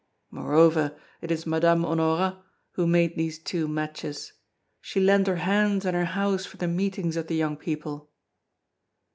Moreover, it is Madame Honorat who made these two matches. She lent her hands and her house for the meetings of the young people."